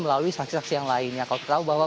melalui saksi saksi yang lainnya kalau kita tahu bahwa